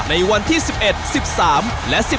ในวันที่๑๑๑๓และ๑๕ธันวาคมนี้